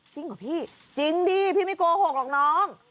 จริงเหรอพี่จริงดิพี่ไม่โกหกหรอกน้อง